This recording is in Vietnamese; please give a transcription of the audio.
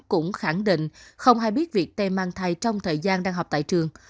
cũng khẳng định không hay biết việc tê mang thai trong thời gian đang học tại trường